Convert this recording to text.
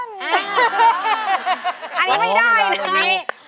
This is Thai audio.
อันนี้ไม่ได้นะ